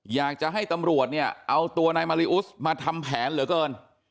อยากจะให้ตำรวจเนี่ยเอาตัวนายมาริอุสมาทำแผนเหลือเกิน